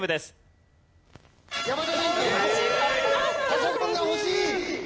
パソコンが欲しい！